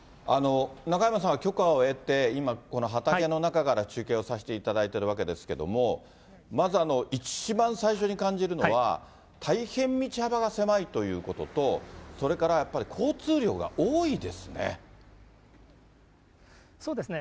中山さんは許可を得て、今、ここの畑の中から中継をさせていただいているわけですけれども、まず一番最初に感じるのは、大変道幅が狭いということと、それからやっぱり、交通量が多いですね。